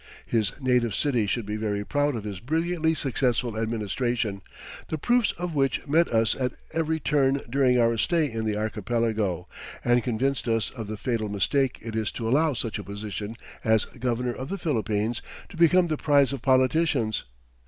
His native city should be very proud of his brilliantly successful administration, the proofs of which met us at every turn during our stay in the archipelago, and convinced us of the fatal mistake it is to allow such a position as Governor of the Philippines to become the prize of politicians.